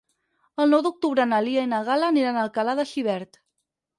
El nou d'octubre na Lia i na Gal·la aniran a Alcalà de Xivert.